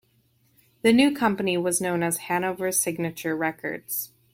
The new company was known as Hanover-Signature Records.